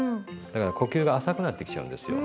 だから呼吸が浅くなってきちゃうんですよ。